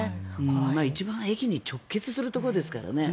一番駅に直結するところですからね。